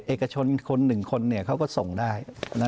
เอกชนคนหนึ่งคนเขาก็ส่งได้